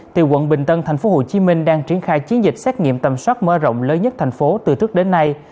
từ quận bình tân tp hcm đang triển khai chiến dịch xét nghiệm tầm soát mở rộng lớn nhất thành phố từ trước đến nay